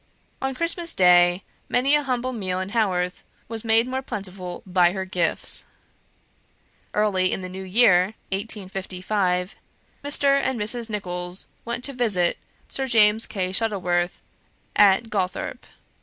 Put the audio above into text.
On Christmas day many a humble meal in Haworth was made more plentiful by her gifts. Early in the new year (1855), Mr. and Mrs. Nicholls went to visit Sir James Kay Shuttleworth at Gawthorpe.